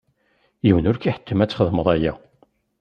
Yiwen ur k-iḥettem ad txedmeḍ aya.